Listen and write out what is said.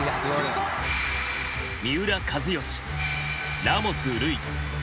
三浦知良ラモス瑠偉